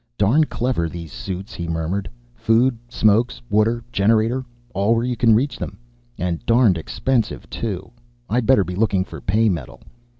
"Darn clever, these suits," he murmured. "Food, smokes, water generator, all where you can reach them. And darned expensive, too. I'd better be looking for pay metal!"